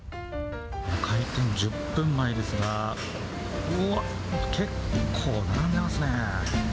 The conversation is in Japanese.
開店１０分前ですが、うわっ、結構並んでますね。